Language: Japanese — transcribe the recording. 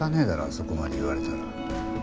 あそこまで言われたら。